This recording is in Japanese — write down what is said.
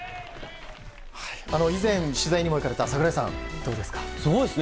以前、取材にも行かれた櫻井さん、いかがですか？